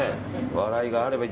笑いがあれば。